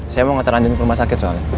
saya mau ngatar andin ke rumah sakit soalnya